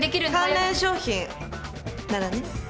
関連商品ならね。